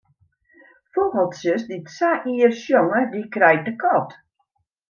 Fûgeltsjes dy't sa ier sjonge, dy krijt de kat.